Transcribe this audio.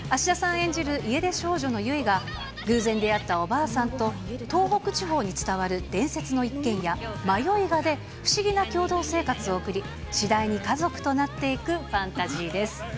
演じる家出少女のユイが、偶然出会ったおばあさんと、東北地方に伝わる伝説の一軒家、マヨイガで不思議な共同生活を送り、次第に家族となっていくファンタジーです。